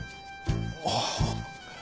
ああ。